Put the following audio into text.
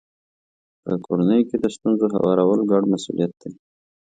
په کورنۍ کې د ستونزو هوارول ګډ مسولیت دی.